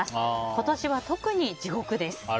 今年は特に地獄です。